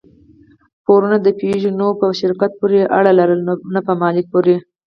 پورونو د پيژو په شرکت پورې اړه لرله، نه په مالک پورې.